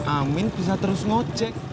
amin bisa terus ngejek